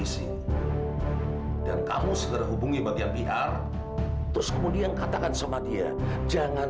sampai jumpa di video selanjutnya